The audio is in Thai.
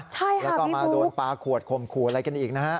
ใช่ค่ะแล้วก็มาโดนปลาขวดข่มขู่อะไรกันอีกนะฮะ